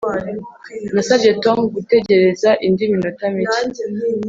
Nasabye Tom gutegereza indi minota mike